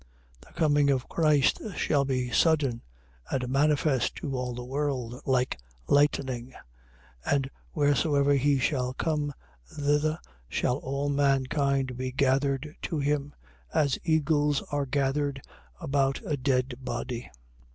.The coming of Christ shall be sudden, and manifest to all the world, like lightning: and wheresoever he shall come, thither shall all mankind be gathered to him, as eagles are gathered about a dead body.